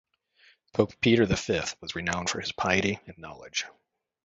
Pope Peter the Fifth was renowned for his piety and knowledge.